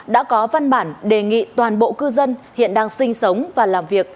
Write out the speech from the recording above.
đã có văn bản đề nghị toàn bộ cư dân hiện đang sinh sống và làm việc